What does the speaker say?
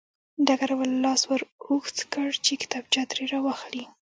ډګروال لاس ور اوږد کړ چې کتابچه ترې راواخلي